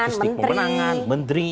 logistik pemenangan menteri